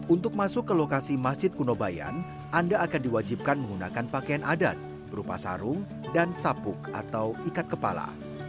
untuk masuk ke lokasi masjid kuno bayan anda akan diwajibkan menggunakan pakaian adat berupa sarung dan sapuk atau ikat kepala